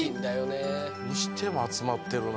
にしても集まってるな。